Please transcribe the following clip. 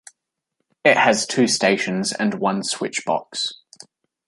It has two stations and one switchbox.